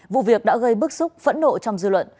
vụ việc đã gây bức xúc phẫn nộ trong dư luận